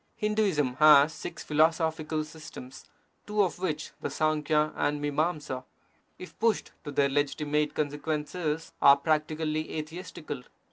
Hinduism has six philo sophical systems, two of which, the Sankhya and Mimansa, if pushed to their legitimate consequences, are practically INTRODUCTION Ivii atheistical.